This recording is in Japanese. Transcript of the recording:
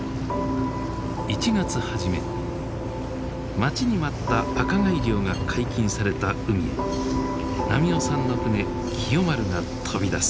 待ちに待った赤貝漁が解禁された海へ波男さんの船喜代丸が飛び出す。